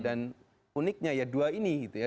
dan uniknya ya dua ini gitu ya